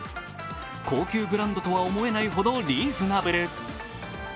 高級ブランドとは思えないほどリーズナブル。